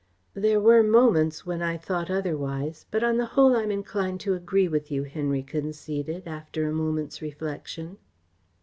"There were moments when I thought otherwise, but on the whole I am inclined to agree with you," Henry conceded, after a moment's reflection.